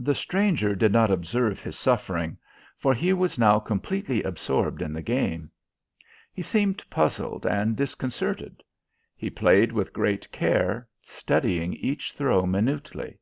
The stranger did not observe his suffering, for he was now completely absorbed in the game. He seemed puzzled and disconcerted. He played with great care, studying each throw minutely.